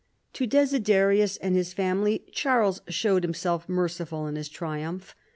* To Desiderius and his family Charles showed him self merciful in his triumph.